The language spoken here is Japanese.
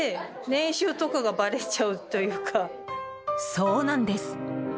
そうなんです。